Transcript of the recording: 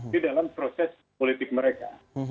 di dalam proses politik mereka